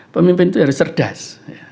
pemimpin itu harus cerdas